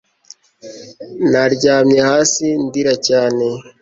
naryamye hasi ndira cyane